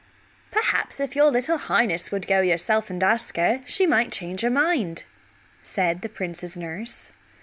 "Perhaps if your little highness would go yourself and ask her, she might change her mind," said the prince's nurse.